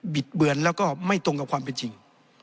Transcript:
ดเบือนแล้วก็ไม่ตรงกับความเป็นจริง